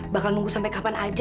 bakal nunggu sampai kapan aja